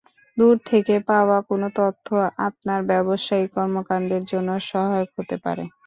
দূর থেকে পাওয়া কোনো তথ্য আপনার ব্যবসায়িক কর্মকাণ্ডের জন্য সহায়ক হতে পারে।